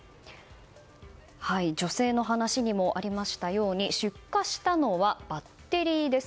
女性の話にもありましたように出火したのはバッテリーです。